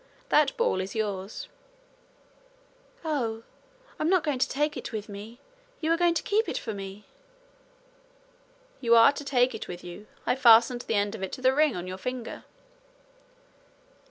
That ball is yours.' 'Oh! I'm not to take it with me! You are going to keep it for me!' 'You are to take it with you. I've fastened the end of it to the ring on your finger.'